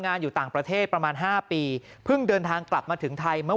อยู่ต่างประเทศประมาณ๕ปีเพิ่งเดินทางกลับมาถึงไทยเมื่อ